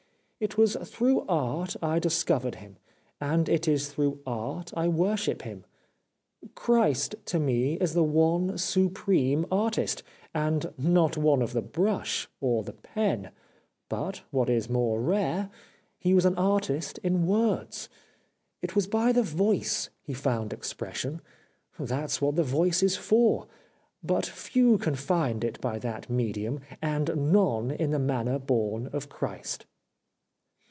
It was through Art I discovered him, and it is through Art I worship him. Christ, to me, is the one supreme Artist, and not one of the brush, or the pen, but, what is more rare, he was an Artist in words. It was by the voice he found expression — that's what the voice is for, but few can find it by that medium, and none in the manner born of Christ.'